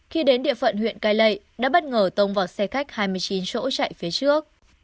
khi đến địa phận huyện cai lệ đã bất ngờ tông vào xe khách hai mươi chín chỗ chạy phía trước